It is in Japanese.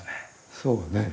そうだね。